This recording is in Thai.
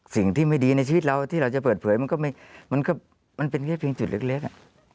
สิ่งที่ไม่ดีในชีวิตเราที่เราจะเปิดเผยมันก็มันเป็นแค่เพียงจุดเล็ก